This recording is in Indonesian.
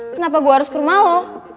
kenapa gue harus ke rumah lo